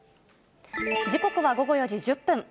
時刻は午後４時１０分。